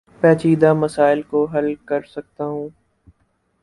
پیچیدہ مسائل کو حل کر سکتا ہوں